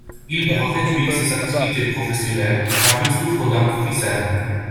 Il doit réduire ses activités professionnelles, car il souffre d'emphysème.